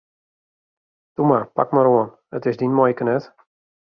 Toe mar, pak mar oan, it is dyn muoike net!